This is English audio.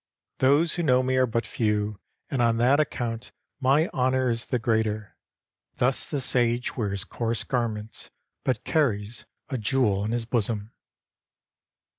Those who know me are but few, and on that account my honour is the greater. Thus the Sage wears coarse garments, but carries a jewel in his bosom.